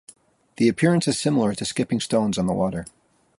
The appearance is similar to skipping stones on the water.